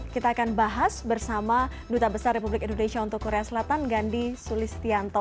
kita akan bahas bersama duta besar republik indonesia untuk korea selatan gandhi sulistianto